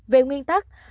về nguyên tắc